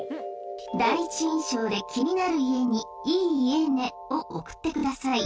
第一印象で気になる家に「いい家ね」を送ってください。